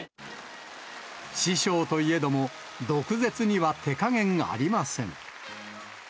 師匠といえども、毒舌には手加減ありません。